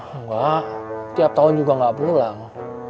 enggak tiap tahun juga nggak pulang